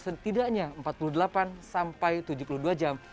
setidaknya empat puluh delapan sampai tujuh puluh dua jam